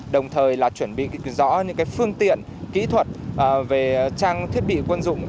đồng thời là chuẩn bị rõ những phương tiện kỹ thuật về trang thiết bị quân dụng